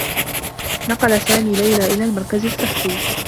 نقل سامي ليلى إلى المركز الصّحّي.